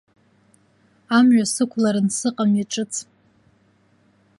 Амҩа сықәларын сыҟами ҿыц.